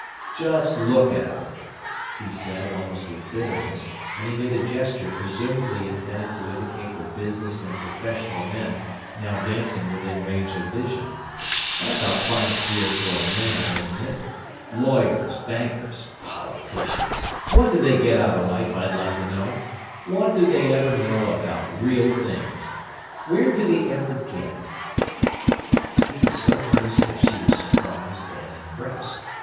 "Just look at 'em!" he said, almost with bitterness, and he made a gesture presumably intended to indicate the business and professional men now dancing within range of vision. "That's a fine career for a man, isn't it! Lawyers, bankers, politicians! What do they get out of life, I'd like to know! What do they ever know about real things? Where do they ever get?" He was so earnest that she was surprised and impressed.